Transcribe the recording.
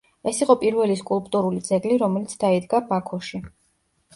ეს იყო პირველი სკულპტურული ძეგლი, რომელიც დაიდგა ბაქოში.